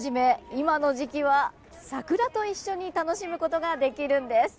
今の時期は桜と一緒に楽しむことができるんです。